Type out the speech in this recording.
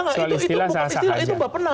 soal istilah sah sah saja